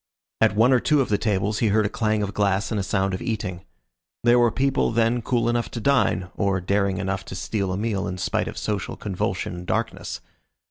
At one or two of the tables he heard a clang of glass and a sound of eating. There were people then cool enough to dine, or daring enough to steal a meal in spite of social convulsion and darkness.